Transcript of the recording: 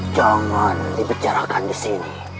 jangan dibicarakan disini